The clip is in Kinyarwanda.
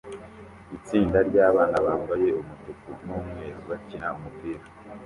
Itsinda ryabana bambaye umutuku numweru bakina umupira